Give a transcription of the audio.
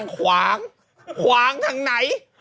หวางทั้งไหน